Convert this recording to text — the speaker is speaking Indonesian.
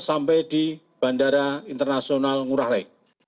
sampai di bandara internasional ngurah rai